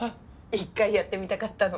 一回やってみたかったの。